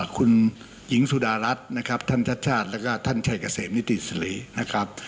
คุณหญิงสุดารัฐนะครับท่านชัดชาติแล้วก็ท่านชัยเกษมนิติสิรินะครับ